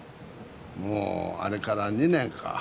もうあれから２年か。